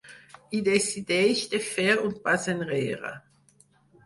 I decideix de fer un pas enrere.